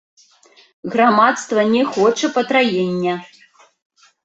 Грамадства не хоча патраення.